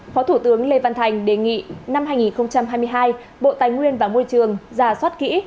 phó thủ tướng lê văn thành đề nghị năm hai nghìn hai mươi hai bộ tài nguyên và môi trường giả soát kỹ